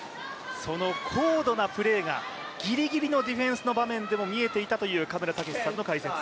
その高度なプレーがギリギリのディフェンスの場面でも見えていたという嘉村さんの解説。